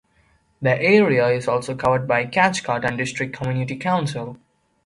The area is also covered by Cathcart and District Community Council.